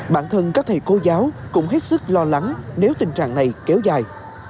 bản thân các thầy cô giáo cũng hết sức lo lắng nếu tình trạng này kéo dài